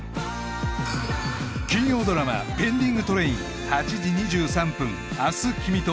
金曜ドラマ「ペンディングトレイン−８時２３分、明日君と」